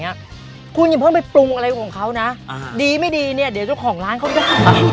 คุณอย่าเพิ่งไปปรุงอะไรของเขานะดีไม่ดีเนี่ยเดี๋ยวเจ้าของร้านเขาจ้าง